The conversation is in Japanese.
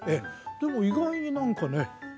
でも意外に何かね